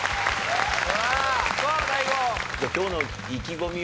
今日の意気込み